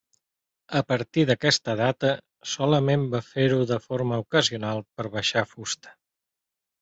A partir d'aquesta data solament va fer-ho de forma ocasional per baixar fusta.